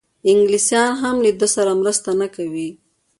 انګلیسیان هم له ده سره مرسته نه کوي.